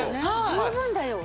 十分だよね